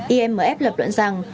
imf lập luận rằng